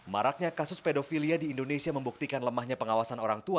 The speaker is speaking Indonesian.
maraknya kasus pedofilia di indonesia membuktikan lemahnya pengawasan orang tua